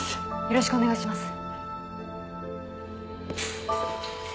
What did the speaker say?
よろしくお願いします。